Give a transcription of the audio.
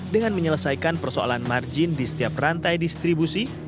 dengan menyelesaikan persoalan margin di setiap rantai distribusi